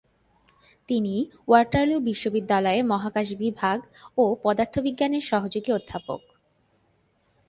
তিনি ওয়াটারলু বিশ্ববিদ্যালয়ের মহাকাশ বিভাগ ও পদার্থবিজ্ঞানের সহযোগী অধ্যাপক।